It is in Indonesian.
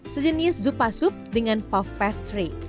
sejenis zupa soup dengan puff pastry